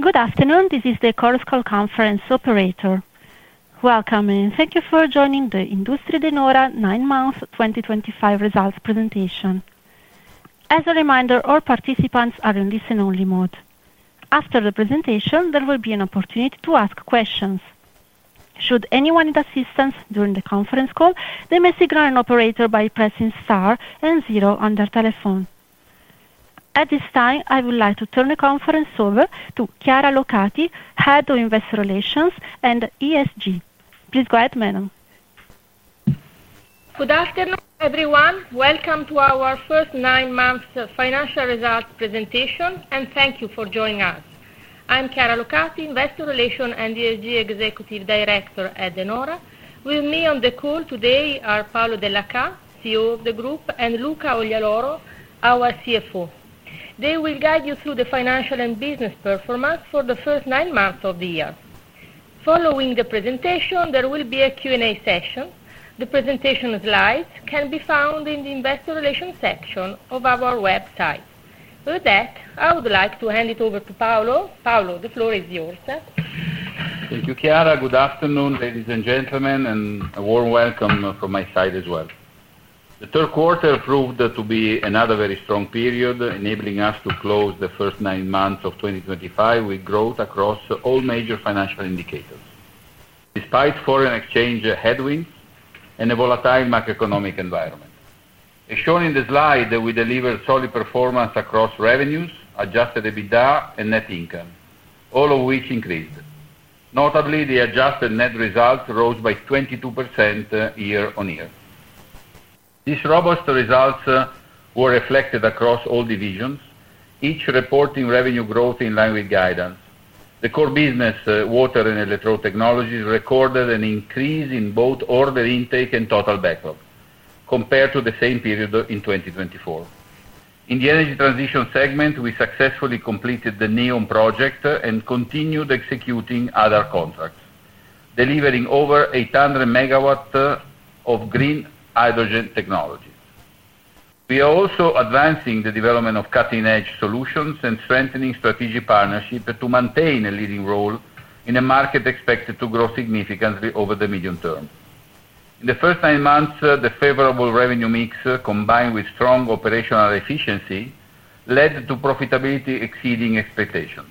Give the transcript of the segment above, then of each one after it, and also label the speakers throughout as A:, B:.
A: Good afternoon, this is the Chorus Call conference operator. Welcome, and thank you for joining the Industrie De Nora nine-month 2025 results presentation. As a reminder, all participants are in listen-only mode. After the presentation, there will be an opportunity to ask questions. Should anyone need assistance during the conference call, they may signal an operator by pressing star and zero on their telephone. At this time, I would like to turn the conference over to Chiara Locati, Head of Investor Relations and ESG. Please go ahead, madam.
B: Good afternoon, everyone. Welcome to our first nine month financial results presentation, and thank you for joining us. I'm Chiara Locati, Investor Relations and ESG Executive Director at De Nora. With me on the call today are Paolo Dellachà, CEO of the group, and Luca Oglialoro, our CFO. They will guide you through the financial and business performance for the first nine months of the year. Following the presentation, there will be a Q&A session. The presentation slides can be found in the Investor Relations section of our website. With that, I would like to hand it over to Paolo. Paolo, the floor is yours.
C: Thank you, Chiara. Good afternoon, ladies and gentlemen, and a warm welcome from my side as well. The third quarter proved to be another very strong period, enabling us to close the first nine months of 2025 with growth across all major financial indicators, despite foreign exchange headwinds and a volatile macroeconomic environment. As shown in the slide, we delivered solid performance across revenues, Adjusted EBITDA, and net income, all of which increased. Notably, the adjusted net result rose by 22% year-on-year. These robust results were reflected across all divisions, each reporting revenue growth in line with guidance. The core business, water and electrical technologies, recorded an increase in both order intake and total backlog compared to the same period in 2024. In the energy transition segment, we successfully completed the NEOM project and continued executing other contracts, delivering over 800 MW of green hydrogen technologies. We are also advancing the development of cutting-edge solutions and strengthening strategic partnerships to maintain a leading role in a market expected to grow significantly over the medium term. In the first nine months, the favorable revenue mix, combined with strong operational efficiency, led to profitability exceeding expectations.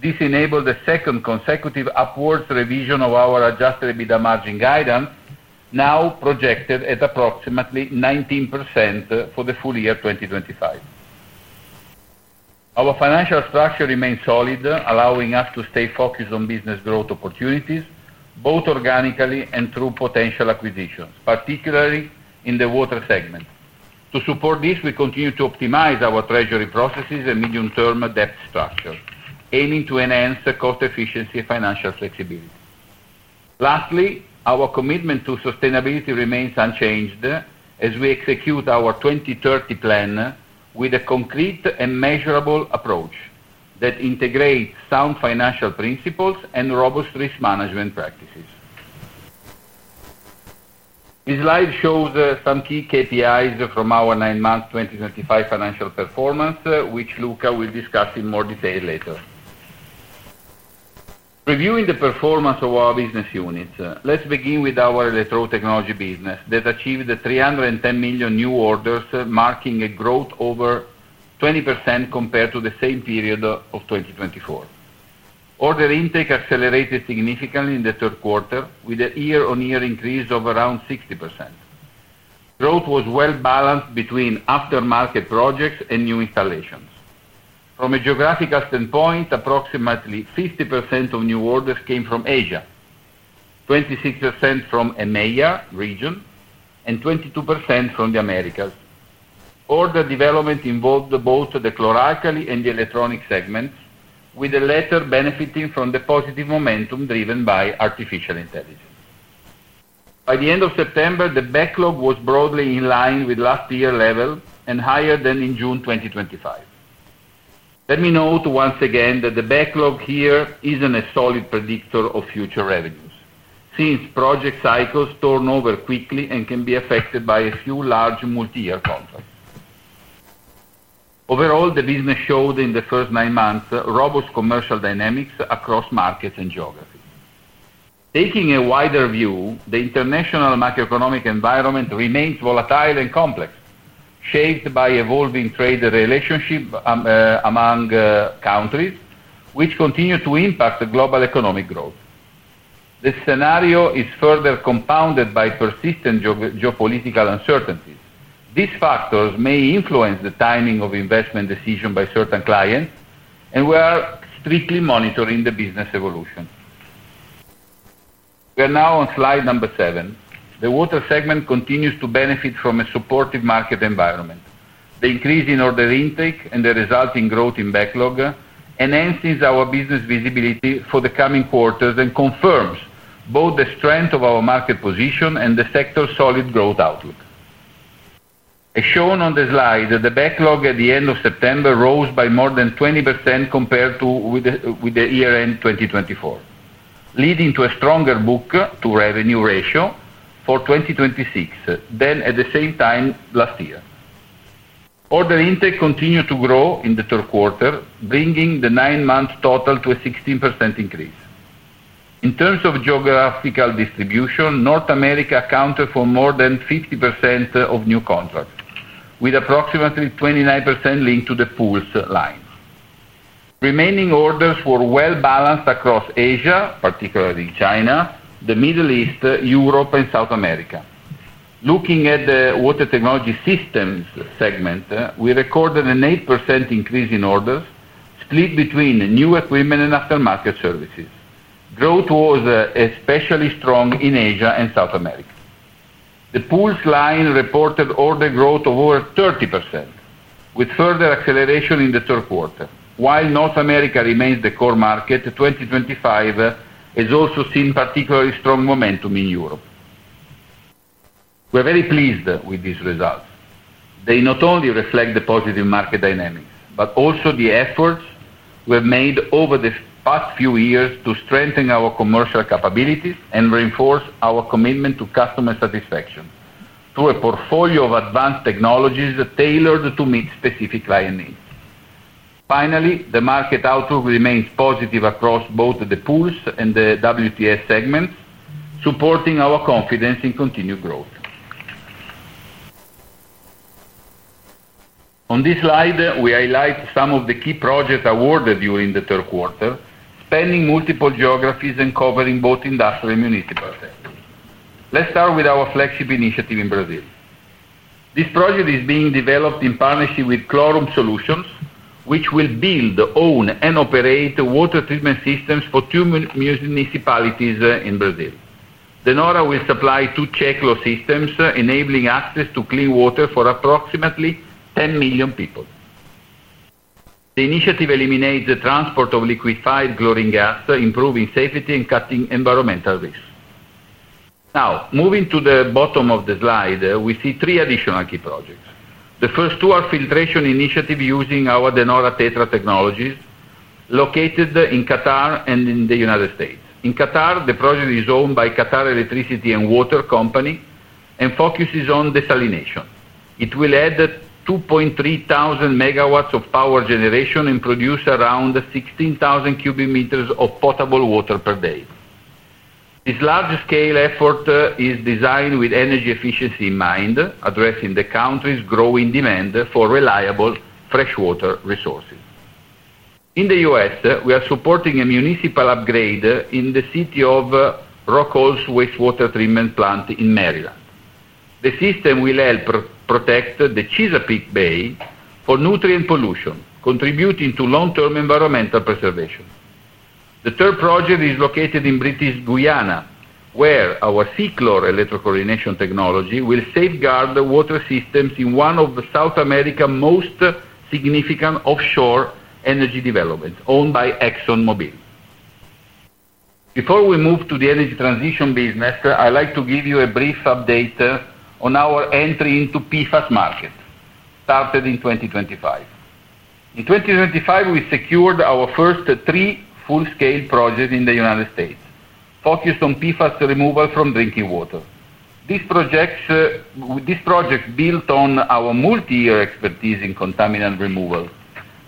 C: This enabled the second consecutive upward revision of our Adjusted EBITDA margin guidance, now projected at approximately 19% for the full year 2025. Our financial structure remained solid, allowing us to stay focused on business growth opportunities, both organically and through potential acquisitions, particularly in the water segment. To support this, we continue to optimize our treasury processes and medium-term debt structure, aiming to enhance cost efficiency and financial flexibility. Lastly, our commitment to sustainability remains unchanged as we execute our 2030 plan with a concrete and measurable approach that integrates sound financial principles and robust risk management practices. This slide shows some key KPIs from our nine-month 2025 financial performance, which Luca will discuss in more detail later. Reviewing the performance of our business units, let's begin with our electrical technology business that achieved 310 million new orders, marking a growth of over 20% compared to the same period of 2024. Order intake accelerated significantly in the third quarter, with a year-on-year increase of around 60%. Growth was well balanced between aftermarket projects and new installations. From a geographical standpoint, approximately 50% of new orders came from Asia, 26% from the EMEA region, and 22% from the Americas. Order development involved both the chlor-alkali and the electronic segments, with the latter benefiting from the positive momentum driven by artificial intelligence. By the end of September, the backlog was broadly in line with last year's level and higher than in June 2025. Let me note once again that the backlog here isn't a solid predictor of future revenues, since project cycles turn over quickly and can be affected by a few large multi-year contracts. Overall, the business showed in the first nine months robust commercial dynamics across markets and geographies. Taking a wider view, the international macroeconomic environment remains volatile and complex, shaped by evolving trade relationships among countries, which continue to impact global economic growth. The scenario is further compounded by persistent geopolitical uncertainties. These factors may influence the timing of investment decisions by certain clients, and we are strictly monitoring the business evolution. We are now on slide number seven. The water segment continues to benefit from a supportive market environment. The increase in order intake and the resulting growth in backlog enhances our business visibility for the coming quarters and confirms both the strength of our market position and the sector's solid growth outlook. As shown on the slide, the backlog at the end of September rose by more than 20% compared to the year-end 2024, leading to a stronger book-to-revenue ratio for 2026 than at the same time last year. Order intake continued to grow in the third quarter, bringing the nine-month total to a 16% increase. In terms of geographical distribution, North America accounted for more than 50% of new contracts, with approximately 29% linked to the pools line. Remaining orders were well balanced across Asia, particularly China, the Middle East, Europe, and South America. Looking at the water technology systems segment, we recorded an 8% increase in orders split between new equipment and aftermarket services. Growth was especially strong in Asia and South America. The pools line reported order growth of over 30%, with further acceleration in the third quarter. While North America remains the core market, 2025 has also seen particularly strong momentum in Europe. We are very pleased with these results. They not only reflect the positive market dynamics, but also the efforts we have made over the past few years to strengthen our commercial capabilities and reinforce our commitment to customer satisfaction through a portfolio of advanced technologies tailored to meet specific client needs. Finally, the market outlook remains positive across both the pools and the WTS segments, supporting our confidence in continued growth. On this slide, we highlight some of the key projects awarded during the third quarter, spanning multiple geographies and covering both industrial and municipal sectors. Let's start with our flagship initiative in Brazil. This project is being developed in partnership with Chlorum Solutions, which will build, own, and operate water treatment systems for two municipalities in Brazil. De Nora will supply two chlor-alkali systems, enabling access to clean water for approximately 10 million people. The initiative eliminates the transport of liquefied chlorine gas, improving safety and cutting environmental risks. Now, moving to the bottom of the slide, we see three additional key projects. The first two are filtration initiatives using our DE NORA TETRA technologies, located in Qatar and in the United States. In Qatar, the project is owned by Qatar Electricity and Water Company and focuses on desalination. It will add 2,300 MW of power generation and produce around 16,000 m3 of potable water per day. This large-scale effort is designed with energy efficiency in mind, addressing the country's growing demand for reliable freshwater resources. In the U.S., we are supporting a municipal upgrade in the city of Rocos Wastewater Treatment Plant in Maryland. The system will help protect the Chesapeake Bay from nutrient pollution, contributing to long-term environmental preservation. The third project is located in Guyana, where our SEACLOR electrical chlorination technology will safeguard the water systems in one of South America's most significant offshore energy developments, owned by ExxonMobil. Before we move to the energy transition business, I'd like to give you a brief update on our entry into the PFAS market, started in 2025. In 2025, we secured our first three full-scale projects in the United States, focused on PFAS removal from drinking water. These projects built on our multi-year expertise in contaminant removal.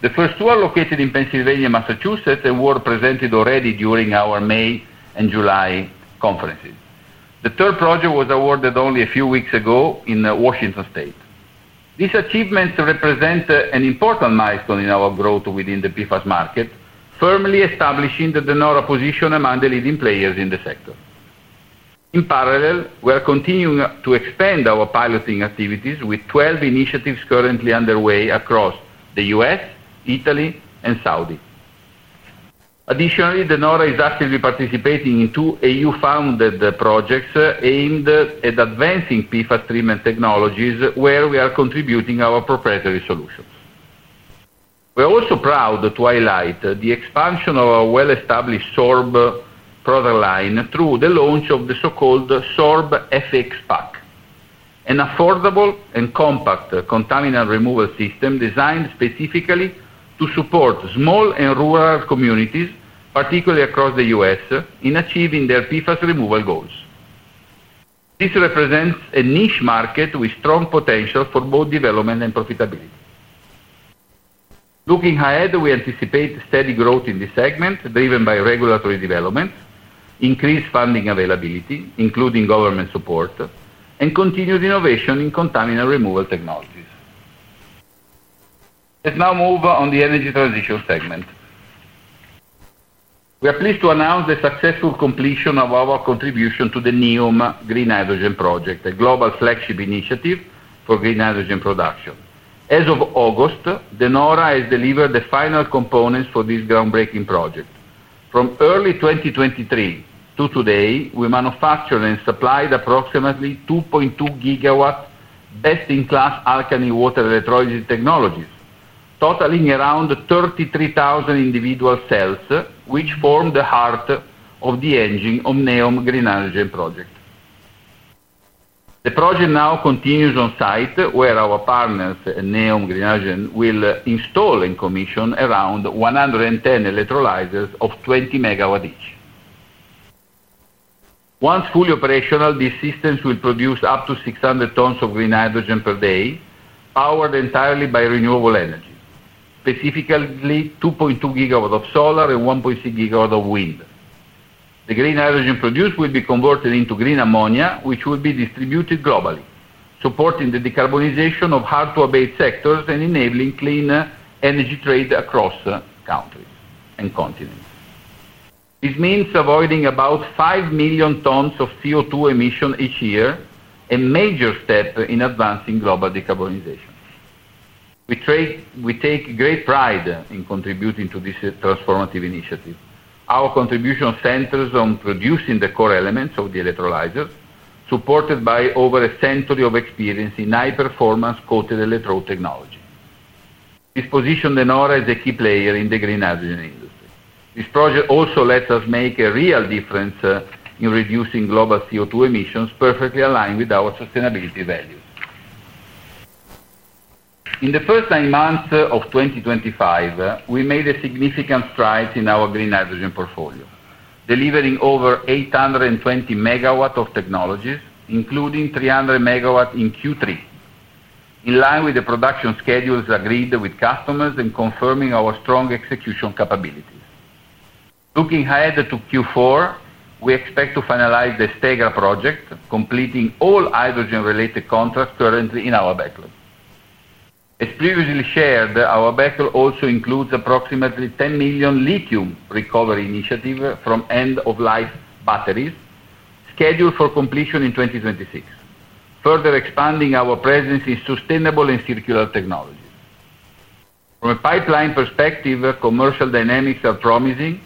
C: The first two are located in Pennsylvania, Massachusetts, and were presented already during our May and July conferences. The third project was awarded only a few weeks ago in Washington State. These achievements represent an important milestone in our growth within the PFAS market, firmly establishing the De Nora position among the leading players in the sector. In parallel, we are continuing to expand our piloting activities with 12 initiatives currently underway across the U.S., Italy, and Saudi Arabia. Additionally, De Nora is actively participating in two EU-funded projects aimed at advancing PFAS treatment technologies, where we are contributing our proprietary solutions. We are also proud to highlight the expansion of our well-established SORB product line through the launch of the so-called SORB FX Pak, an affordable and compact contaminant removal system designed specifically to support small and rural communities, particularly across the U.S., in achieving their PFAS removal goals. This represents a niche market with strong potential for both development and profitability. Looking ahead, we anticipate steady growth in this segment, driven by regulatory development, increased funding availability, including government support, and continued innovation in contaminant removal technologies. Let's now move on to the energy transition segment. We are pleased to announce the successful completion of our contribution to the NEOM Green Hydrogen Project, a global flagship initiative for green hydrogen production. As of August, De Nora has delivered the final components for this groundbreaking project. From early 2023 to today, we manufactured and supplied approximately 2.2 GW of best-in-class alkaline water electrolysis technologies, totaling around 33,000 individual cells, which form the heart of the engine of the NEOM Green Hydrogen Project. The project now continues on site, where our partners, NEOM Green Hydrogen, will install and commission around 110 electrolyzers of 20 MW each. Once fully operational, these systems will produce up to 600 tons of green hydrogen per day, powered entirely by renewable energy, specifically 2.2 GW of solar and 1.6 GW of wind. The green hydrogen produced will be converted into green ammonia, which will be distributed globally, supporting the decarbonization of hard-to-abate sectors and enabling clean energy trade across countries and continents. This means avoiding about 5 million tons of CO2 emissions each year, a major step in advancing global decarbonization. We take great pride in contributing to this transformative initiative. Our contribution centers on producing the core elements of the electrolyzer, supported by over a century of experience in high-performance coated electrode technology. This positions De Nora as a key player in the green hydrogen industry. This project also lets us make a real difference in reducing global CO2 emissions, perfectly aligned with our sustainability values. In the first nine months of 2025, we made significant strides in our green hydrogen portfolio, delivering over 820 MW of technologies, including 300 MW in Q3. In line with the production schedules agreed with customers and confirming our strong execution capabilities. Looking ahead to Q4, we expect to finalize the STEGRA project, completing all hydrogen-related contracts currently in our backlog. As previously shared, our backlog also includes approximately 10 million lithium recovery initiatives from end-of-life batteries, scheduled for completion in 2026, further expanding our presence in sustainable and circular technologies. From a pipeline perspective, commercial dynamics are promising,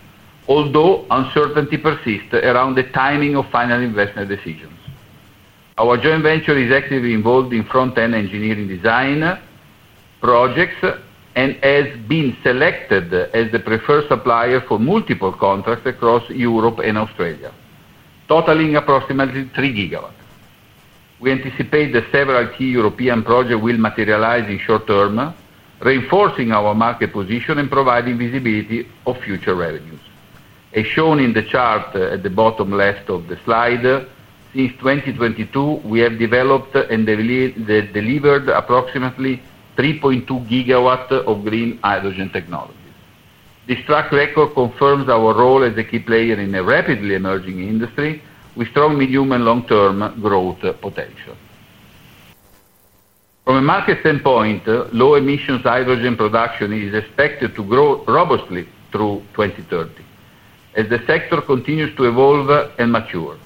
C: although uncertainty persists around the timing of final investment decisions. Our joint venture is actively involved in front-end engineering design projects and has been selected as the preferred supplier for multiple contracts across Europe and Australia, totaling approximately 3 GW. We anticipate that several key European projects will materialize in the short term, reinforcing our market position and providing visibility of future revenues. As shown in the chart at the bottom left of the slide, since 2022, we have developed and delivered approximately 3.2 GW of green hydrogen technologies. This track record confirms our role as a key player in a rapidly emerging industry with strong medium and long-term growth potential. From a market standpoint, low-emissions hydrogen production is expected to grow robustly through 2030, as the sector continues to evolve and mature.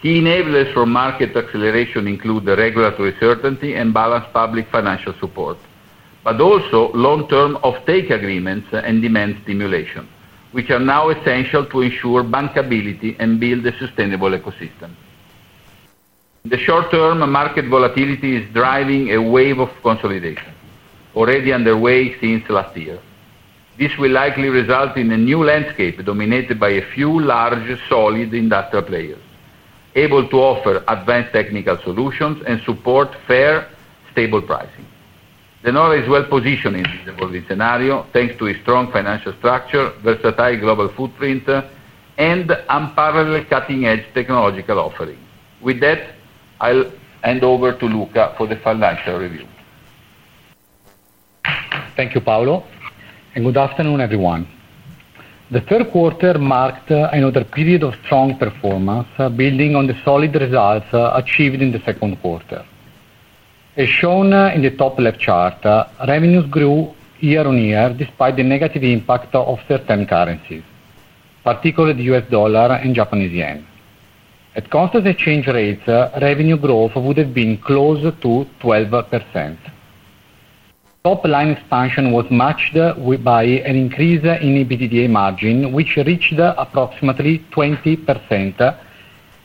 C: Key enablers for market acceleration include regulatory certainty and balanced public financial support, but also long-term offtake agreements and demand stimulation, which are now essential to ensure bankability and build a sustainable ecosystem. In the short term, market volatility is driving a wave of consolidation, already underway since last year. This will likely result in a new landscape dominated by a few large solid industry players, able to offer advanced technical solutions and support fair, stable pricing. De Nora is well positioned in this evolving scenario, thanks to its strong financial structure, versatile global footprint, and unparalleled cutting-edge technological offerings. With that, I'll hand over to Luca for the financial review.
D: Thank you, Paolo, and good afternoon, everyone. The third quarter marked another period of strong performance, building on the solid results achieved in the second quarter. As shown in the top-left chart, revenues grew year-on-year despite the negative impact of certain currencies, particularly the U.S. dollar and Japanese yen. At constant exchange rates, revenue growth would have been close to 12%. Top-line expansion was matched by an increase in EBITDA margin, which reached approximately 20%,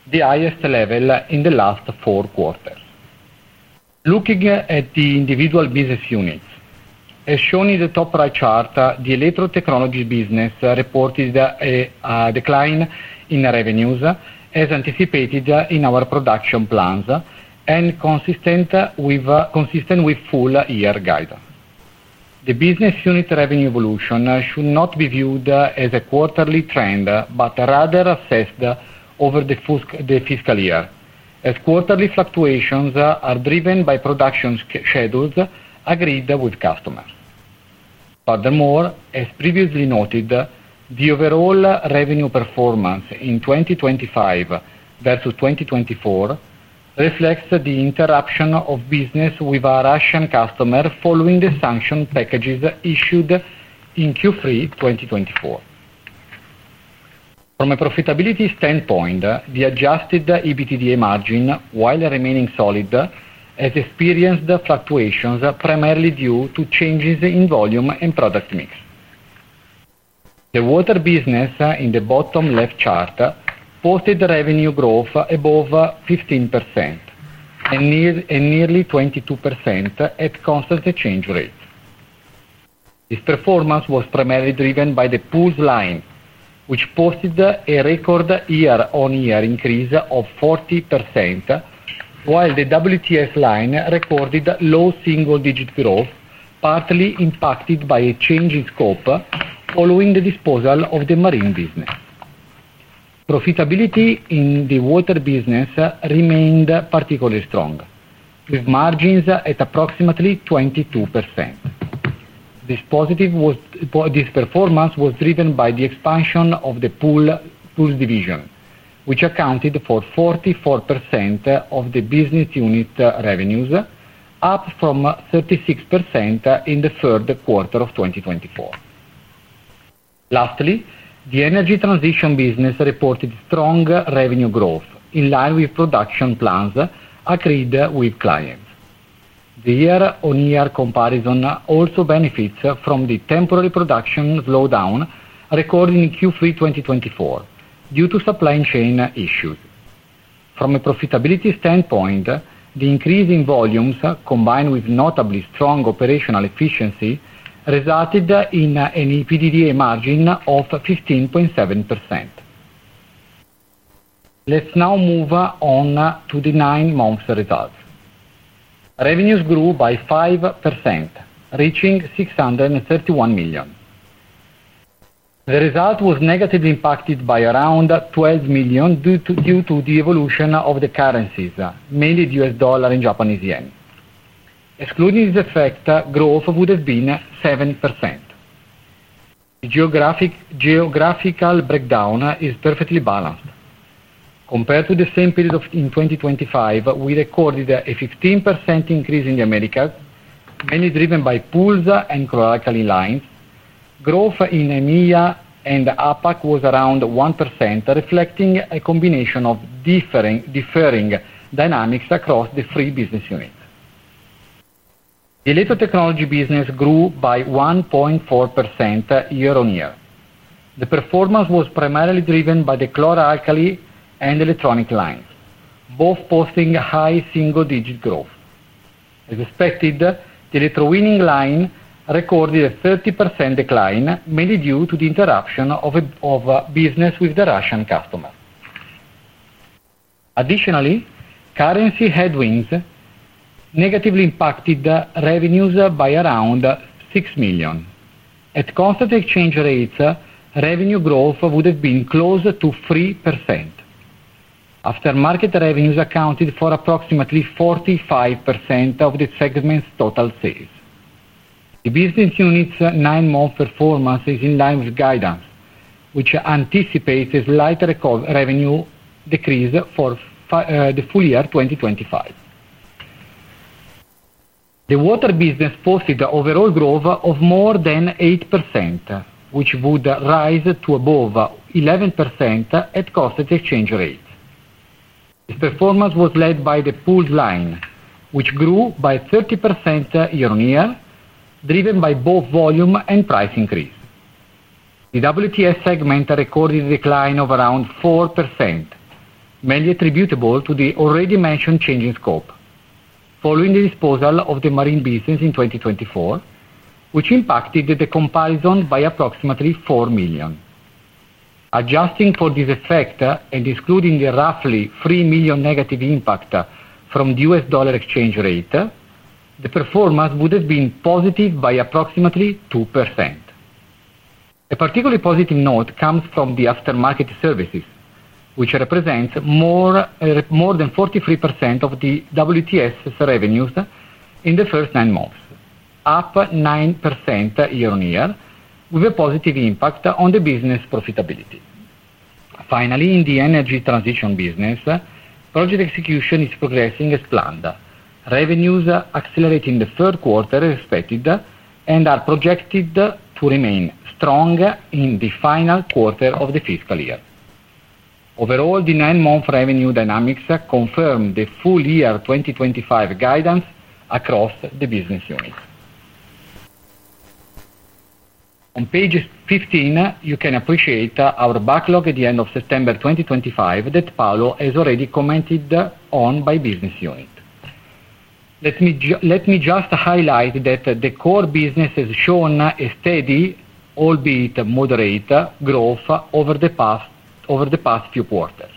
D: the highest level in the last four quarters. Looking at the individual business units, as shown in the top-right chart, the electrical technology business reported a decline in revenues, as anticipated in our production plans, and consistent with full-year guidance. The business unit revenue evolution should not be viewed as a quarterly trend, but rather assessed over the fiscal year, as quarterly fluctuations are driven by production schedules agreed with customers. Furthermore, as previously noted, the overall revenue performance in 2025 versus 2024 reflects the interruption of business with our Asian customers following the sanction packages issued in Q3 2024. From a profitability standpoint, the Adjusted EBITDA margin, while remaining solid, has experienced fluctuations primarily due to changes in volume and product mix. The water business, in the bottom-left chart, posted revenue growth above 15% and nearly 22% at constant exchange rates. This performance was primarily driven by the pools line, which posted a record year-on-year increase of 40%. While the WTS line recorded low single-digit growth, partly impacted by a change in scope following the disposal of the marine business. Profitability in the water business remained particularly strong, with margins at approximately 22%. This performance was driven by the expansion of the pools division, which accounted for 44% of the business unit revenues, up from 36% in the third quarter of 2024. Lastly, the energy transition business reported strong revenue growth, in line with production plans agreed with clients. The year-on-year comparison also benefits from the temporary production slowdown recorded in Q3 2024, due to supply chain issues. From a profitability standpoint, the increase in volumes, combined with notably strong operational efficiency, resulted in an EBITDA margin of 15.7%. Let's now move on to the nine-month result. Revenues grew by 5%, reaching 631 million. The result was negatively impacted by around 12 million due to the evolution of the currencies, mainly the U.S. dollar and Japanese yen. Excluding this effect, growth would have been 7%. The geographical breakdown is perfectly balanced. Compared to the same period in 2025, we recorded a 15% increase in the Americas, mainly driven by pools and core alkaline lines. Growth in EMEA and APAC was around 1%, reflecting a combination of differing dynamics across the three business units. The electrical technology business grew by 1.4% year-on-year. The performance was primarily driven by the core alkaline and electronic lines, both posting high single-digit growth. As expected, the electrolyzing line recorded a 30% decline, mainly due to the interruption of business with the Russian customer. Additionally, currency headwinds negatively impacted revenues by around 6 million. At constant exchange rates, revenue growth would have been close to 3%. After-market revenues accounted for approximately 45% of the segment's total sales. The business unit's nine-month performance is in line with guidance, which anticipates a slight revenue decrease for the full year 2025. The water business posted overall growth of more than 8%, which would rise to above 11% at constant exchange rates. This performance was led by the pools line, which grew by 30% year-on-year, driven by both volume and price increase. The WTS segment recorded a decline of around 4%. Mainly attributable to the already mentioned change in scope, following the disposal of the marine business in 2024, which impacted the comparison by approximately 4 million. Adjusting for this effect and excluding the roughly 3 million negative impact from the U.S. dollar exchange rate, the performance would have been positive by approximately 2%. A particularly positive note comes from the after-market services, which represents more than 43% of the WTS revenues in the first nine months, up 9% year-on-year, with a positive impact on the business profitability. Finally, in the energy transition business. Project execution is progressing as planned, revenues accelerating in the third quarter as expected and are projected to remain strong in the final quarter of the fiscal year. Overall, the nine-month revenue dynamics confirm the full-year 2025 guidance across the business units. On page 15, you can appreciate our backlog at the end of September 2025 that Paolo has already commented on by business unit. Let me just highlight that the core business has shown a steady, albeit moderate, growth over the past few quarters,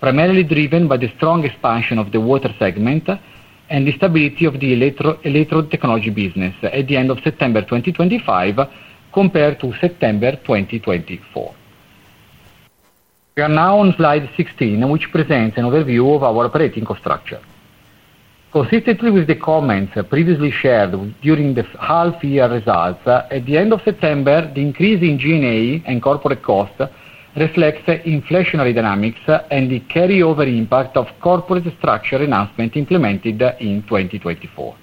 D: primarily driven by the strong expansion of the water segment and the stability of the electrical technology business at the end of September 2025 compared to September 2024. We are now on slide 16, which presents an overview of our operating cost structure. Consistently with the comments previously shared during the half-year results, at the end of September, the increase in G&A and corporate costs reflects inflationary dynamics and the carryover impact of corporate structure announcement implemented in 2024.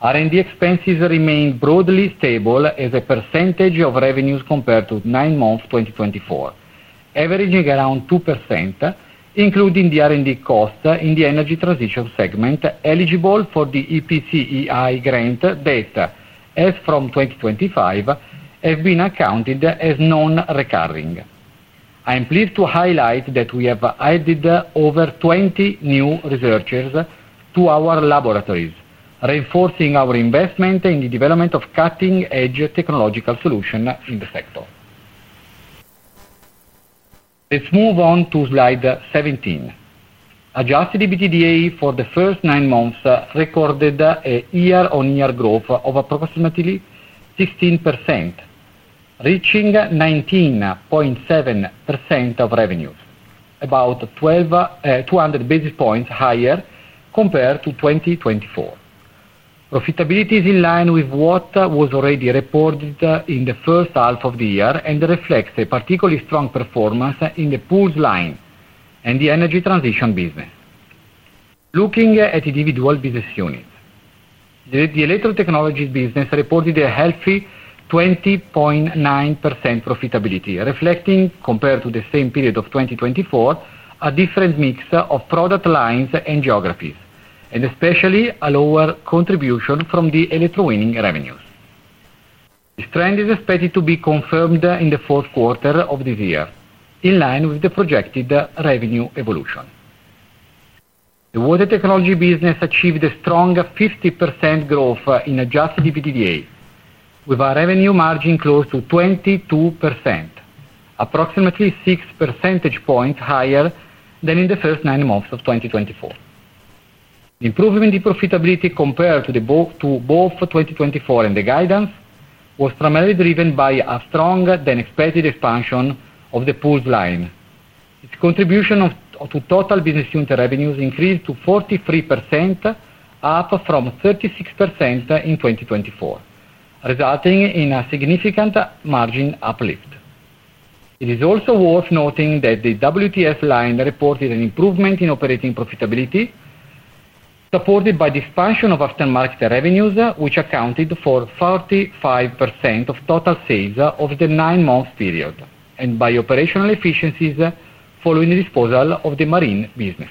D: R&D expenses remain broadly stable as a percentage of revenues compared to nine months 2024, averaging around 2%. Including the R&D costs in the energy transition segment eligible for the IPCEI grant that, as from 2025, have been accounted as non-recurring. I am pleased to highlight that we have added over 20 new researchers to our laboratories, reinforcing our investment in the development of cutting-edge technological solutions in the sector. Let's move on to slide 17. Adjusted EBITDA for the first nine months recorded a year-on-year growth of approximately 16%. Reaching 19.7% of revenues, about 200 basis points higher compared to 2024. Profitability is in line with what was already reported in the first half of the year and reflects a particularly strong performance in the pools line and the energy transition business. Looking at individual business units. The electrical technology business reported a healthy 20.9% profitability, reflecting, compared to the same period of 2024, a different mix of product lines and geographies, and especially a lower contribution from the electrolyzer revenues. This trend is expected to be confirmed in the fourth quarter of this year, in line with the projected revenue evolution. The water technology business achieved a strong 50% growth in Adjusted EBITDA, with our revenue margin close to 22%. Approximately 6 percentage points higher than in the first nine months of 2024. The improvement in profitability compared to both 2024 and the guidance was primarily driven by a stronger-than-expected expansion of the pools line. Its contribution to total business unit revenues increased to 43%. Up from 36% in 2024, resulting in a significant margin uplift. It is also worth noting that the WTS line reported an improvement in operating profitability. Supported by the expansion of after-market revenues, which accounted for 45% of total sales over the nine-month period, and by operational efficiencies following the disposal of the marine business.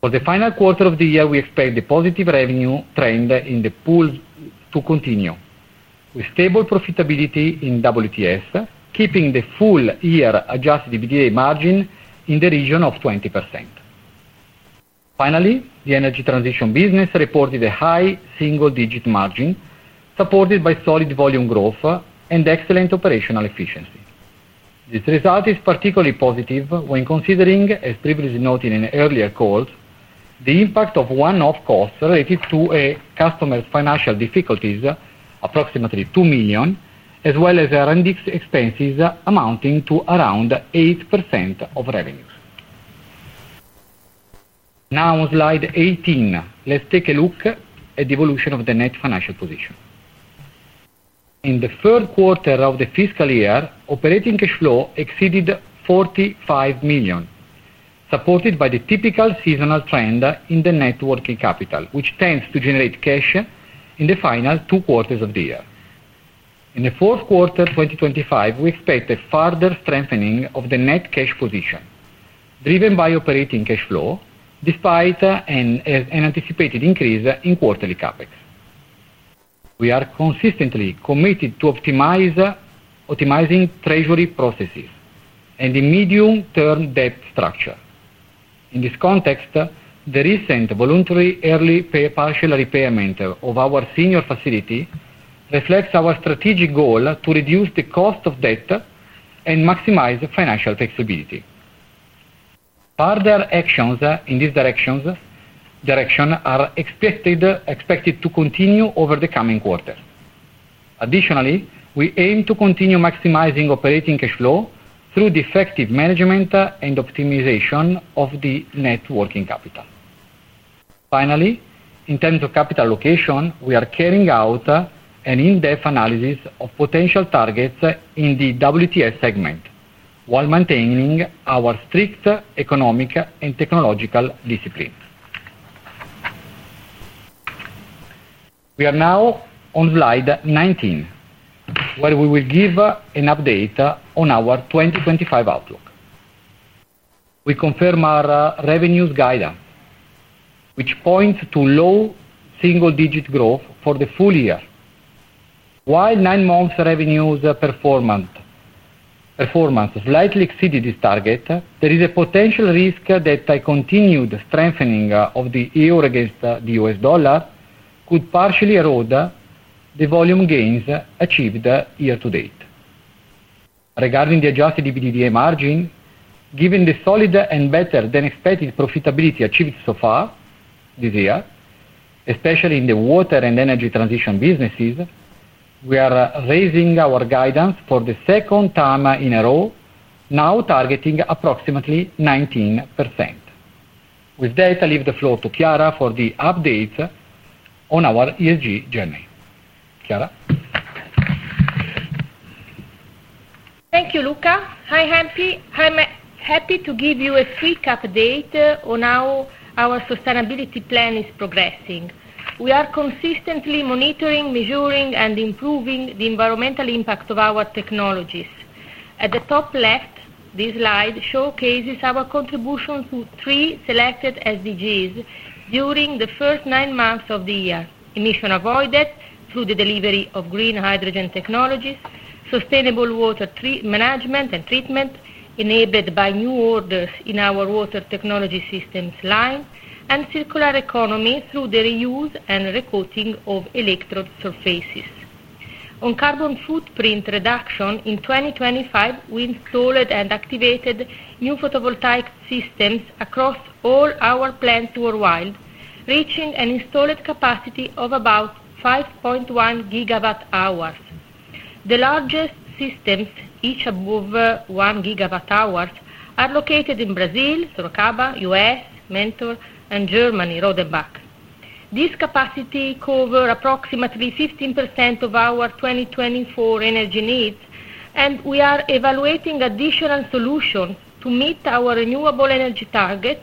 D: For the final quarter of the year, we expect the positive revenue trend in the pools to continue, with stable profitability in WTS, keeping the full-year Adjusted EBITDA margin in the region of 20%. Finally, the energy transition business reported a high single-digit margin, supported by solid volume growth and excellent operational efficiency. This result is particularly positive when considering, as previously noted in an earlier call, the impact of one-off costs related to a customer's financial difficulties, approximately 2 million, as well as R&D expenses amounting to around 8% of revenues. Now, on slide 18, let's take a look at the evolution of the net financial position. In the third quarter of the fiscal year, operating cash flow exceeded 45 million, supported by the typical seasonal trend in the net working capital, which tends to generate cash in the final two quarters of the year. In the fourth quarter 2025, we expect a further strengthening of the net cash position, driven by operating cash flow, despite an anticipated increase in quarterly CapEx. We are consistently committed to optimizing treasury processes and the medium-term debt structure. In this context, the recent voluntary early partial repayment of our senior facility reflects our strategic goal to reduce the cost of debt and maximize financial flexibility. Further actions in this direction are expected to continue over the coming quarter. Additionally, we aim to continue maximizing operating cash flow through the effective management and optimization of the net working capital. Finally, in terms of capital allocation, we are carrying out an in-depth analysis of potential targets in the WTS segment while maintaining our strict economic and technological discipline. We are now on slide 19, where we will give an update on our 2025 outlook. We confirm our revenues guidance, which points to low single-digit growth for the full year. While nine-month revenues slightly exceeded this target, there is a potential risk that a continued strengthening of the euro against the U.S. dollar could partially erode the volume gains achieved year-to-date. Regarding the adjusted EBITDA margin, given the solid and better-than-expected profitability achieved so far this year, especially in the water and energy transition businesses, we are raising our guidance for the second time in a row, now targeting approximately 19%. With that, I leave the floor to Chiara for the updates on our ESG journey. Chiara?
B: Thank you, Luca. I'm happy to give you a quick update on how our sustainability plan is progressing. We are consistently monitoring, measuring, and improving the environmental impact of our technologies. At the top left, this slide showcases our contribution to three selected SEGs during the first nine months of the year: emissions avoided through the delivery of green hydrogen technologies, sustainable water management and treatment enabled by new orders in our water technology systems line, and circular economy through the reuse and recoating of electrode surfaces. On carbon footprint reduction, in 2025, we installed and activated new photovoltaic systems across all our plants worldwide, reaching an installed capacity of about 5.1 GWh. The largest systems, each above 1 GWh, are located in Brazil, Sorocaba, U.S., Mentor, and Germany, Rodenbach. This capacity covers approximately 15% of our 2024 energy needs, and we are evaluating additional solutions to meet our renewable energy targets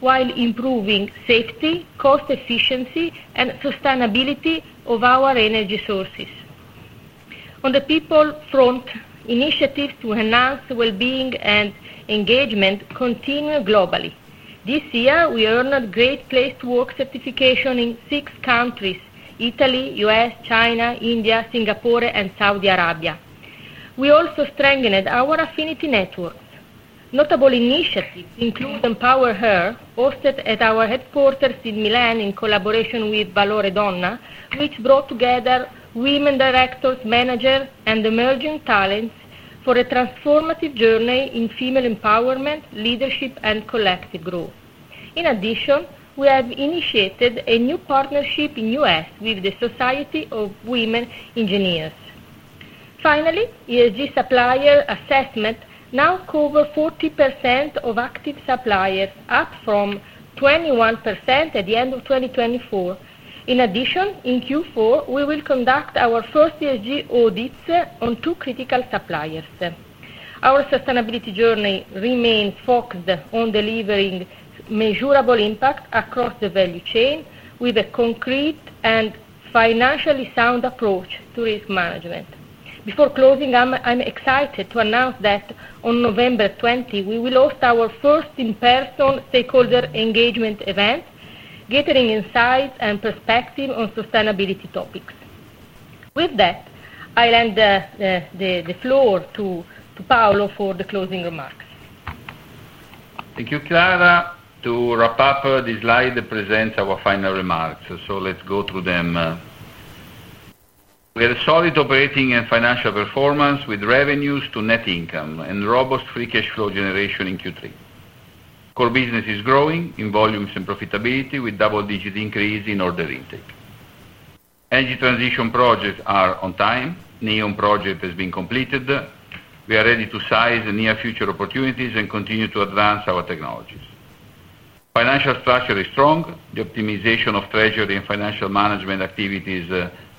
B: while improving safety, cost efficiency, and sustainability of our energy sources. On the people front, initiatives to enhance well-being and engagement continue globally. This year, we earned a Great Place to Work certification in six countries: Italy, U.S., China, India, Singapore, and Saudi Arabia. We also strengthened our affinity networks. Notable initiatives include EmpowerHer, hosted at our headquarters in Milan in collaboration with Valore Donna, which brought together women directors, managers, and emerging talents for a transformative journey in female empowerment, leadership, and collective growth. In addition, we have initiated a new partnership in the U.S. with the Society of Women Engineers. Finally, ESG supplier assessment now covers 40% of active suppliers, up from 21% at the end of 2024. In addition, in Q4, we will conduct our first ESG audits on two critical suppliers. Our sustainability journey remains focused on delivering measurable impact across the value chain with a concrete and financially sound approach to risk management. Before closing, I'm excited to announce that on November 20, we will host our first in-person stakeholder engagement event, gathering insights and perspectives on sustainability topics. With that, I'll hand the floor to Paolo for the closing remarks.
C: Thank you, Chiara. To wrap up, this slide presents our final remarks, so let's go through them. We had a solid operating and financial performance with revenues to net income and robust free cash flow generation in Q3. Core business is growing in volumes and profitability with double-digit increase in order intake. Energy transition projects are on time. NEOM project has been completed. We are ready to seize near-future opportunities and continue to advance our technologies. Financial structure is strong. The optimization of treasury and financial management activities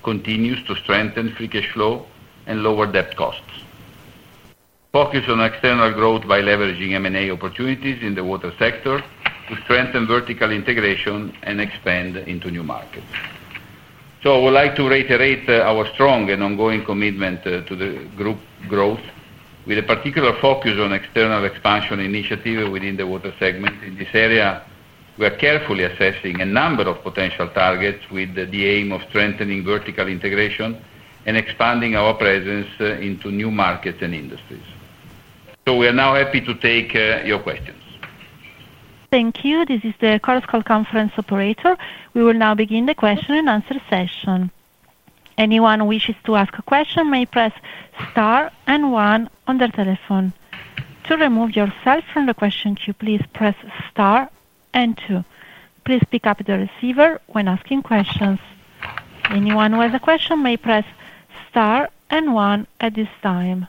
C: continues to strengthen free cash flow and lower debt costs. Focus on external growth by leveraging M&A opportunities in the water sector to strengthen vertical integration and expand into new markets. So I would like to reiterate our strong and ongoing commitment to the group growth with a particular focus on external expansion initiatives within the water segment. In this area, we are carefully assessing a number of potential targets with the aim of strengthening vertical integration and expanding our presence into new markets and industries. So we are now happy to take your questions.
A: Thank you. This is the Chorus Call Conference Operator. We will now begin the question and answer session. Anyone who wishes to ask a question may press star and one on their telephone. To remove yourself from the question queue, please press star and two. Please pick up the receiver when asking questions. Anyone who has a question may press star and one at this time.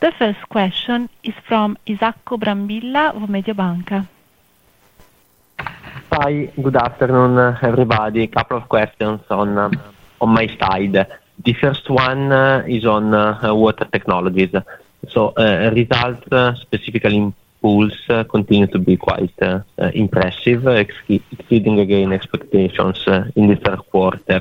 A: The first question is from Isacco Brambilla of Mediobanca.
E: Hi. Good afternoon, everybody. A couple of questions on my side. The first one is on water technologies. So results specifically in pools continue to be quite impressive, exceeding again expectations in the third quarter.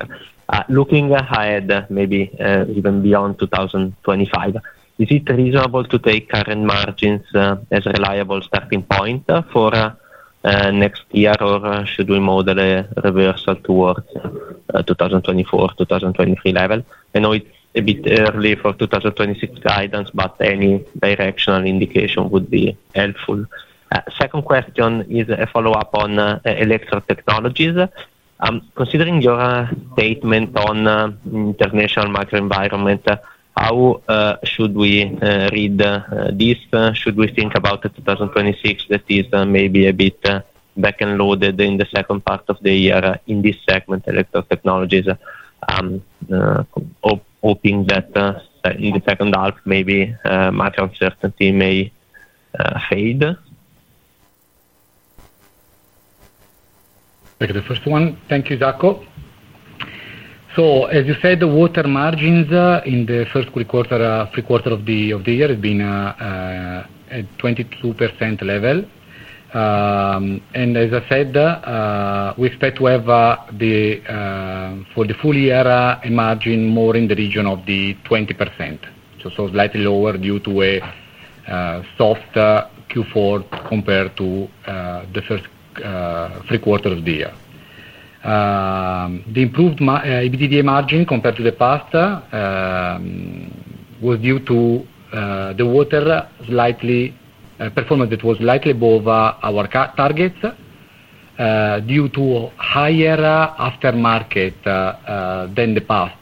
E: Looking ahead, maybe even beyond 2025, is it reasonable to take current margins as a reliable starting point for next year, or should we model a reversal towards 2024, 2023 level? I know it's a bit early for 2026 guidance, but any directional indication would be helpful. Second question is a follow-up on electric technologies. Considering your statement on international macro environment, how should we read this? Should we think about 2026 that is maybe a bit back-loaded in the second part of the year in this segment, electric technologies. Hoping that in the second half, maybe macro uncertainty may fade?
D: Okay. The first one. Thank you, Isacco. So, as you said, the water margins in the first three quarters of the year have been at 22% level. And as I said, we expect to have for the full year a margin more in the region of the 20%. So slightly lower due to a soft Q4 compared to the first three quarters of the year. The improved EBITDA margin compared to the past was due to the water performance that was slightly above our target. Due to higher aftermarket than the past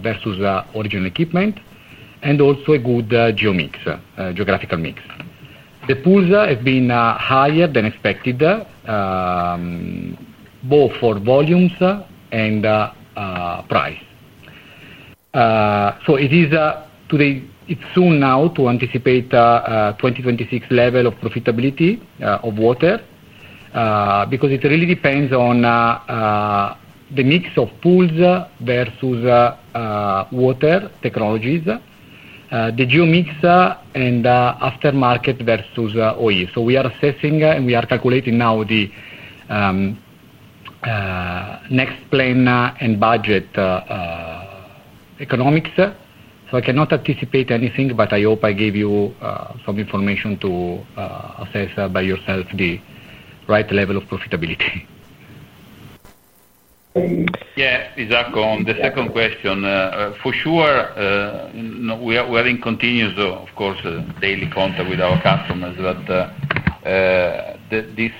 D: versus original equipment, and also a good geographical mix. The pools have been higher than expected both for volumes and price. So it is too soon now to anticipate a 2026 level of profitability of water. Because it really depends on the mix of pools versus water technologies, the geo mix, and aftermarket versus OEE. So we are assessing and we are calculating now the next plan and budget economics. So I cannot anticipate anything, but I hope I gave you some information to assess by yourself the right level of profitability.
C: Yeah. Isacco, on the second question, for sure we are in continuous, of course, daily contact with our customers, but this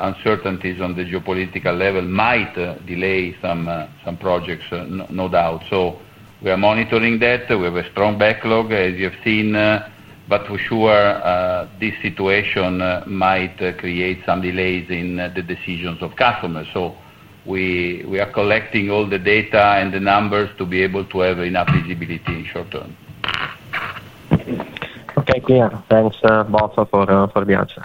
C: uncertainty on the geopolitical level might delay some projects, no doubt. So we are monitoring that. We have a strong backlog, as you have seen, but for sure. This situation might create some delays in the decisions of customers. So, we are collecting all the data and the numbers to be able to have enough visibility in short term.
E: Okay. Clear. Thanks, Paolo, for the answer.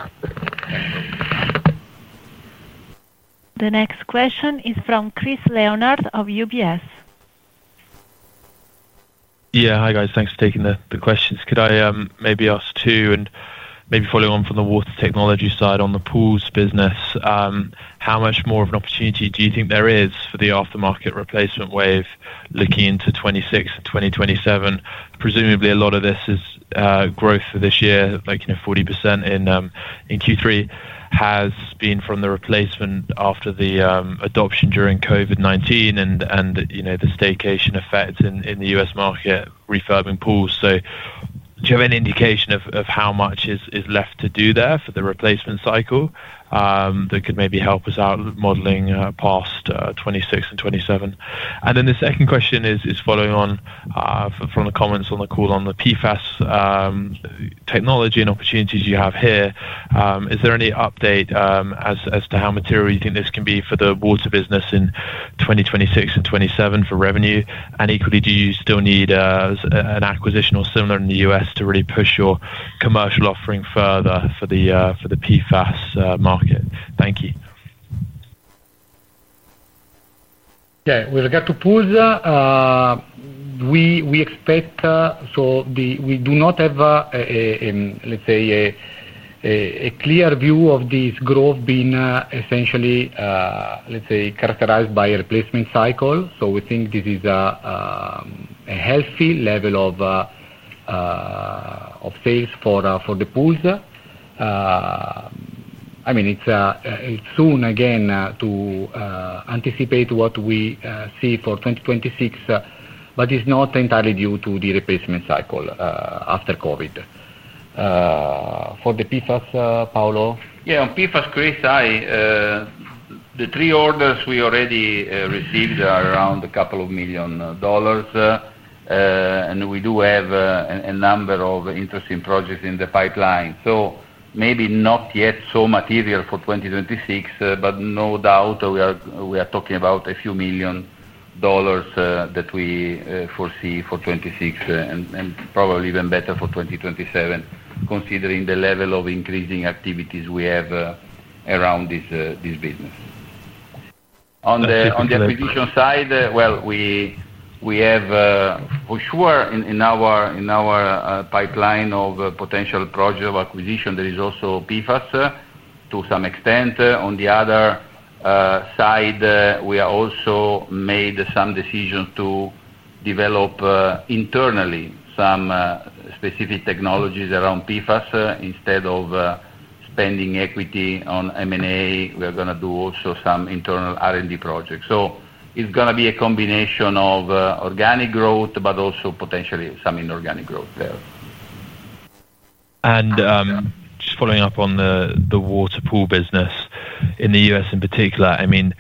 A: The next question is from Chris Leonard of UBS.
F: Yeah. Hi, guys. Thanks for taking the questions. Could I maybe ask two, and maybe following on from the water technology side on the pools business? How much more of an opportunity do you think there is for the aftermarket replacement wave looking into 2026 and 2027? Presumably, a lot of this is growth for this year, like 40% in Q3, has been from the replacement after the adoption during COVID-19 and the staycation effect in the U.S. market refurbing pools. So, do you have any indication of how much is left to do there for the replacement cycle? That could maybe help us out modeling past 2026 and 2027? And then the second question is following on from the comments on the call on the PFAS technology and opportunities you have here. Is there any update as to how material you think this can be for the water business in 2026 and 2027 for revenue? And equally, do you still need an acquisition or similar in the U.S. to really push your commercial offering further for the PFAS market? Thank you.
D: Yeah. With regard to pools, we expect, so we do not have, let's say, a clear view of this growth being essentially, let's say, characterized by a replacement cycle. So, we think this is a healthy level of sales for the pools. I mean, it's too soon again to anticipate what we see for 2026, but it's not entirely due to the replacement cycle after COVID. For the PFAS, Paolo?
C: Yeah. On PFAS, Chris, the three orders we already received are around $2 million. And we do have a number of interesting projects in the pipeline. So, maybe not yet so material for 2026, but no doubt we are talking about a few million dollars that we foresee for 2026 and probably even better for 2027, considering the level of increasing activities we have around this business.
D: On the acquisition side, well, we have, for sure, in our pipeline of potential acquisitions, there is also PFAS to some extent. On the other side, we have also made some decisions to develop internally some specific technologies around PFAS. Instead of spending equity on M&A, we are going to do also some internal R&D projects. So, it's going to be a combination of organic growth, but also potentially some inorganic growth there.
F: And just following up on the water pool business in the U.S. in particular, I mean,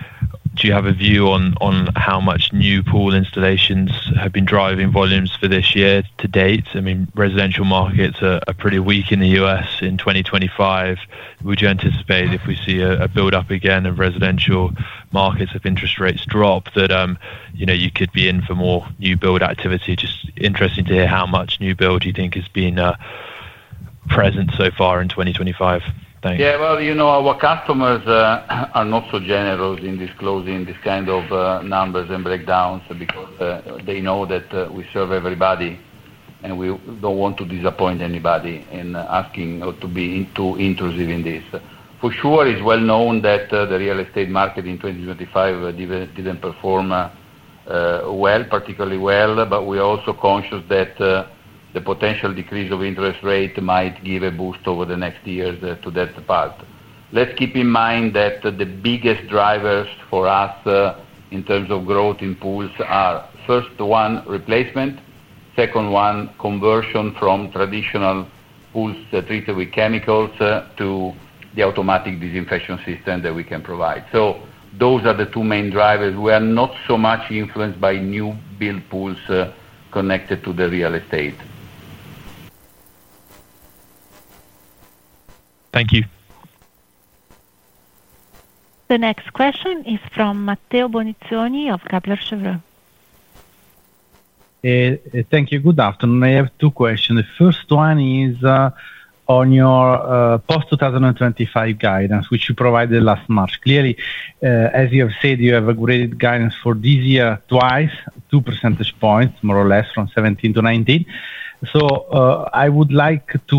F: do you have a view on how much new pool installations have been driving volumes for this year to date? I mean, residential markets are pretty weak in the U.S. in 2025. Would you anticipate, if we see a build-up again of residential markets if interest rates drop, that you could be in for more new build activity? Just interesting to hear how much new build you think has been present so far in 2025. Thanks.
C: Yeah. Well, our customers are not so generous in disclosing this kind of numbers and breakdowns because they know that we serve everybody, and we don't want to disappoint anybody in asking or to be too intrusive in this. For sure, it's well known that the real estate market in 2025 didn't perform well, particularly well, but we are also conscious that the potential decrease of interest rate might give a boost over the next years to that part. Let's keep in mind that the biggest drivers for us in terms of growth in pools are first, one, replacement; second, one, conversion from traditional pools treated with chemicals to the automatic disinfection system that we can provide. So those are the two main drivers. We are not so much influenced by new build pools connected to the real estate.
F: Thank you.
A: The next question is from Matteo Bonizzoni of Kepler Cheuvreux.
G: Thank you. Good afternoon. I have two questions. The first one is on your post-2025 guidance, which you provided last March. Clearly, as you have said, you have a great guidance for this year twice, 2 percentage points, more or less, from 2017 to 2019. So I would like to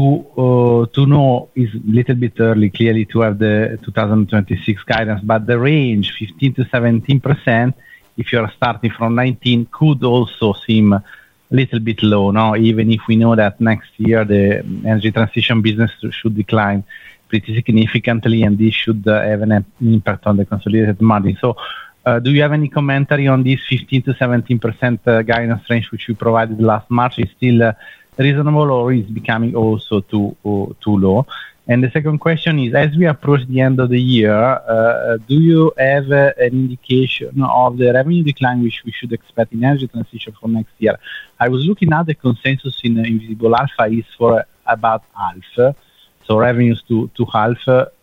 G: know it's a little bit early, clearly, to have the 2026 guidance, but the range, 15%-17%, if you are starting from 2019, could also seem a little bit low, even if we know that next year the energy transition business should decline pretty significantly, and this should have an impact on the consolidated margin. So do you have any commentary on this 15%-17% guidance range, which you provided last March? Is it still reasonable, or is it becoming also too low? And the second question is, as we approach the end of the year, do you have an indication of the revenue decline which we should expect in energy transition for next year? I was looking at the consensus in Visible Alpha; it's for about half. So revenues to half,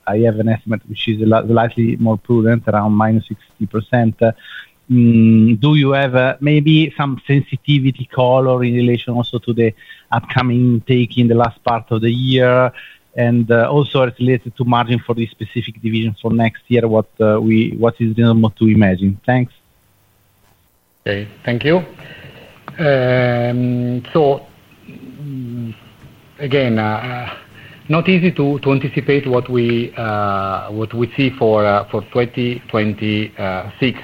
G: I have an estimate which is slightly more prudent, around -60%. Do you have maybe some sensitivity call or in relation also to the upcoming intake in the last part of the year? And also, as it relates to margin for this specific division for next year, what is reasonable to imagine? Thanks.
D: Okay. Thank you. So again, not easy to anticipate what we see for 2026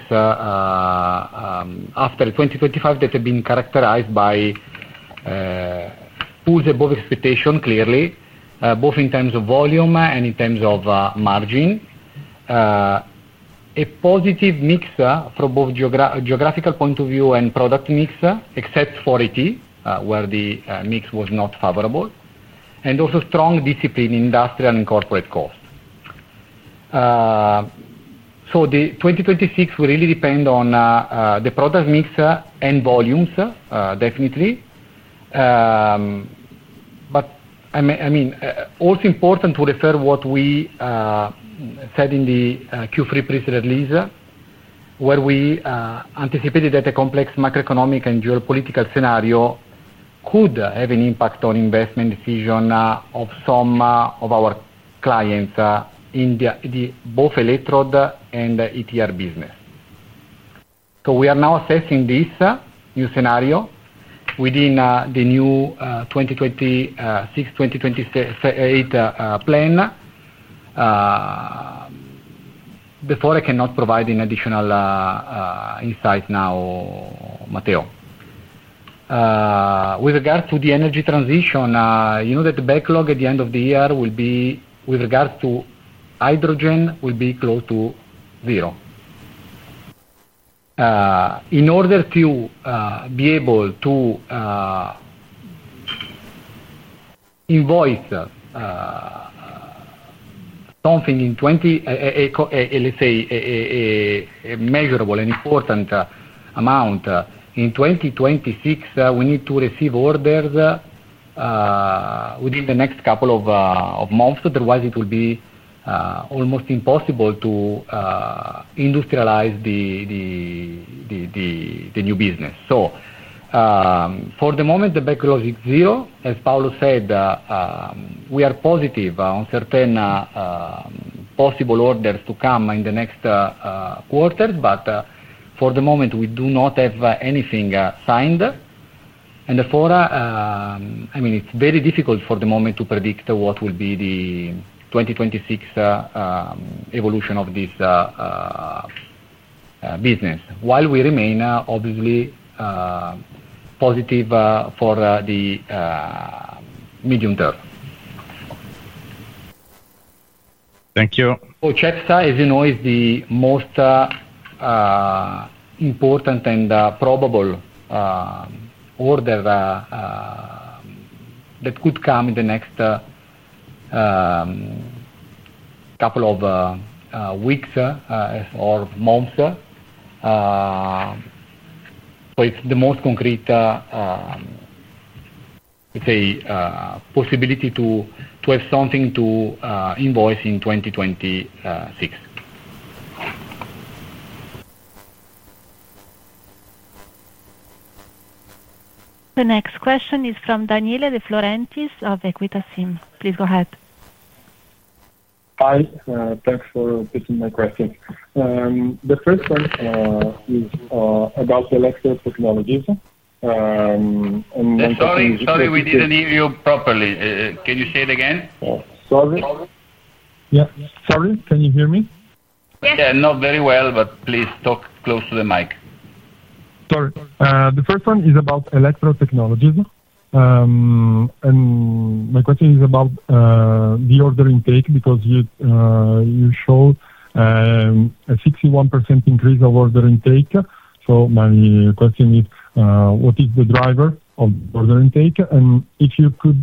D: after 2025 that have been characterized by pools above expectation, clearly, both in terms of volume and in terms of margin. A positive mix from both geographical point of view and product mix, except for ET, where the mix was not favorable, and also strong discipline in industrial and corporate cost. So the 2026 will really depend on the product mix and volumes, definitely. But I mean, also important to refer to what we said in the Q3 previous release, where we anticipated that a complex macroeconomic and geopolitical scenario could have an impact on investment decision of some of our clients in both electrode and ETR business. So we are now assessing this new scenario within the new 2026-2028 plan. Therefore, I cannot provide any additional insight now. Matteo. With regard to the energy transition, you know that the backlog at the end of the year will be, with regards to hydrogen, will be close to zero. In order to be able to invoice something in, let's say, a measurable and important amount, in 2026, we need to receive orders within the next couple of months. Otherwise, it will be almost impossible to industrialize the new business. So for the moment, the backlog is zero. As Paolo said. We are positive on certain possible orders to come in the next quarters, but for the moment, we do not have anything signed. And therefore, I mean, it's very difficult for the moment to predict what will be the 2026 evolution of this business, while we remain, obviously, positive for the medium term.
G: Thank you.
D: The Qatar, as you know, is the most important and probable order that could come in the next couple of weeks or months. So it's the most concrete, let's say, possibility to have something to invoice in 2026.
A: The next question is from Daniele De Florentis of EQUITA SIM. Please go ahead.
H: Hi. Thanks for taking my question. The first one is about electrode technologies. And one question is.
D: Sorry, we didn't hear you properly. Can you say it again? Sorry.
H: Yeah. Sorry. Can you hear me?
A: Yes.
D: Yeah. Not very well, but please talk close to the mic.
H: Sorry. The first one is about electrode technologies. And my question is about the order intake because you showed a 61% increase of order intake. So my question is, what is the driver of order intake? And if you could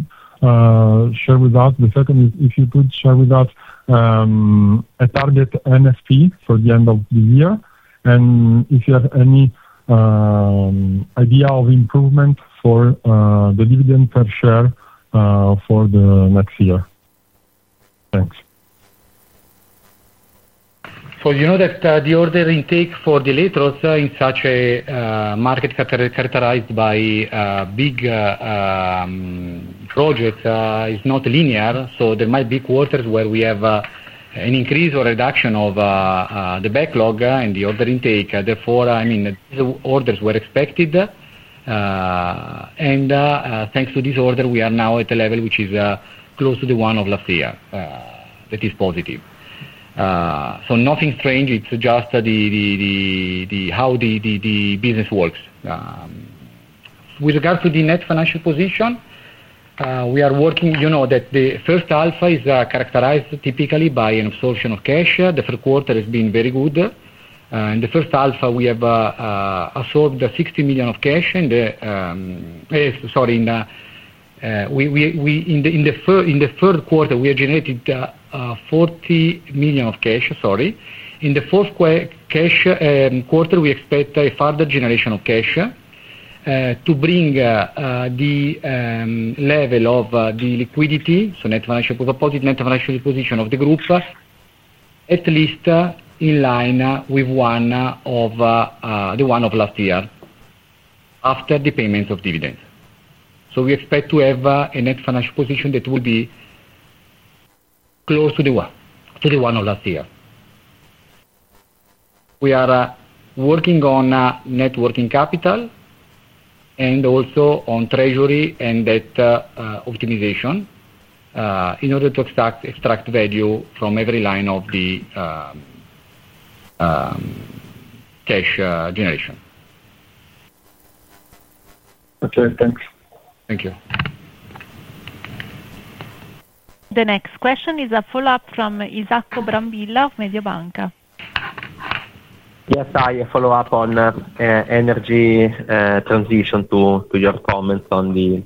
H: share with us, the second is if you could share with us a target NFP for the end of the year, and if you have any idea of improvement for the dividend per share for the next year. Thanks.
C: So you know that the order intake for the electrodes in such a market characterized by big projects is not linear. So there might be quarters where we have an increase or reduction of the backlog and the order intake. Therefore, I mean, these orders were expected. And thanks to this order, we are now at a level which is close to the one of last year. That is positive. So nothing strange. It's just how the business works.
D: With regard to the net financial position, we are working on the fact that the first half is characterized typically by an absorption of cash. The third quarter has been very good. In the first half, we have absorbed 60 million of cash. Sorry. In the third quarter, we have generated 40 million of cash. Sorry. In the fourth quarter, we expect a further generation of cash to bring the level of the liquidity, so net financial position of the group at least in line with the one of last year after the payment of dividends. So we expect to have a net financial position that will be close to the one of last year. We are working on net working capital and also on treasury and debt optimization in order to extract value from every line of the cash generation.
H: Okay. Thanks.
D: Thank you.
A: The next question is a follow-up from Isacco Brambilla of Mediobanca.
E: Yes. I follow up on energy transition to your comments on the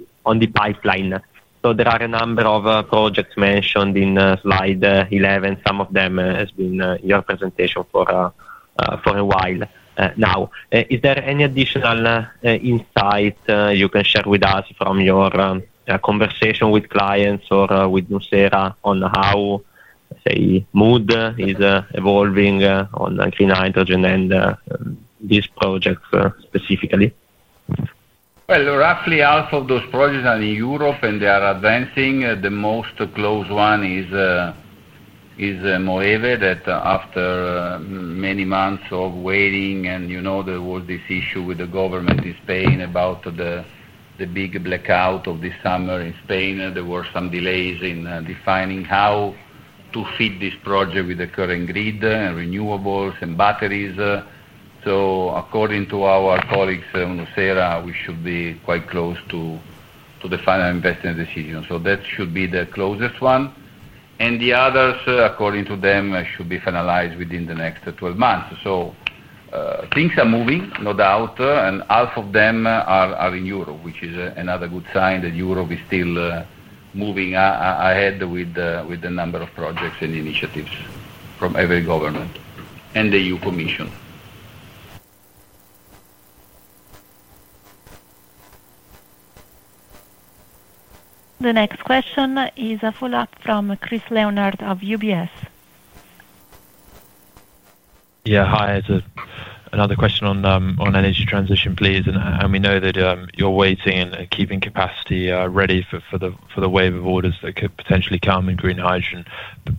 E: pipeline. So there are a number of projects mentioned in slide 11. Some of them have been in your presentation for a while now. Is there any additional insight you can share with us from your conversation with clients or with our sales on how, say, mood is evolving on green hydrogen and these projects specifically?
C: Roughly half of those projects are in Europe, and they are advancing. The closest one is the one that, after many months of waiting, and you know there was this issue with the government in Spain about the big blackout of this summer in Spain. There were some delays in defining how to feed this project with the current grid and renewables and batteries. So according to our colleagues in sales, we should be quite close to the final investment decision. So that should be the closest one. And the others, according to them, should be finalized within the next 12 months. So things are moving, no doubt, and half of them are in Europe, which is another good sign that Europe is still moving ahead with the number of projects and initiatives from every government and the EU Commission.
A: The next question is a follow-up from Chris Leonard of UBS.
F: Yeah. Hi. It's another question on energy transition, please. And we know that you're waiting and keeping capacity ready for the wave of orders that could potentially come in green hydrogen.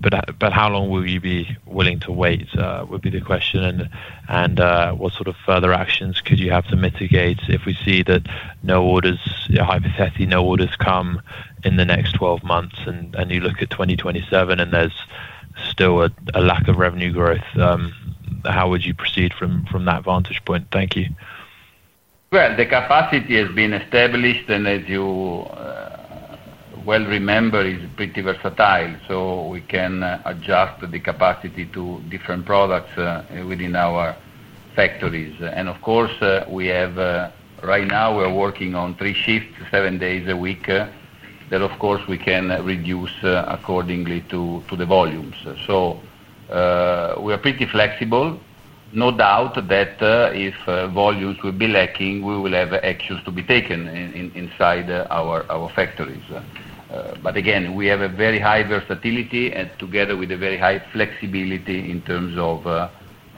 F: But how long will you be willing to wait would be the question. And what sort of further actions could you have to mitigate if we see that no orders, hypothetically no orders come in the next 12 months, and you look at 2027 and there's still a lack of revenue growth? How would you proceed from that vantage point? Thank you.
D: The capacity has been established, and as you well remember, it's pretty versatile. So we can adjust the capacity to different products within our factories. And of course, right now, we are working on three shifts, seven days a week, that, of course, we can reduce accordingly to the volumes. So. We are pretty flexible. No doubt that if volumes will be lacking, we will have actions to be taken inside our factories. But again, we have a very high versatility and together with a very high flexibility in terms of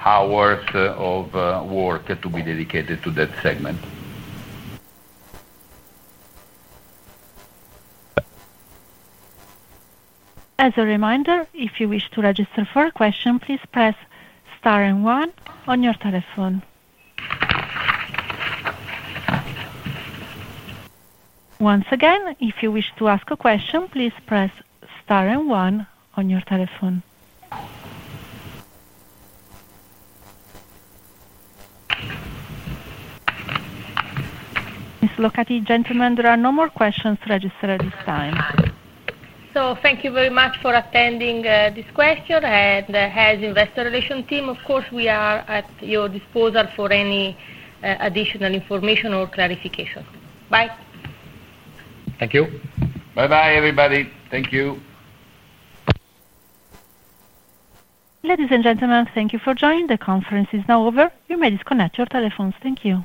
D: hours of work to be dedicated to that segment.
A: As a reminder, if you wish to register for a question, please press star and one on your telephone. Once again, if you wish to ask a question, please press star and one on your telephone. Ms. Locati, gentlemen, there are no more questions to register at this time.
B: So thank you very much for attending this question. And as Investor Relations team, of course, we are at your disposal for any additional information or clarification. Bye.
D: Thank you.
C: Bye-bye, everybody. Thank you.
A: Ladies and gentlemen, thank you for joining. The conference is now over. You may disconnect your telephones. Thank you.